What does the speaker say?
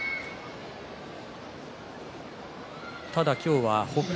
ただ今日は北勝